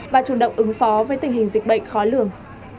và chủ động ứng phó với tình hình dịch bệnh khó lường